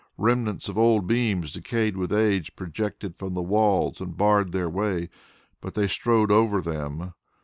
Remnants of old beams, decayed with age, projected from the walls and barred their way, but they strode over them.